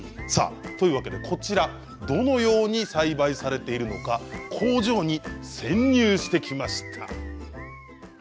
というわけで、どのように栽培されているのか工場に潜入してきました。